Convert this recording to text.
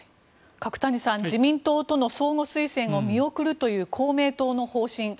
角谷さん自民党との相互推薦を見送るという公明党の方針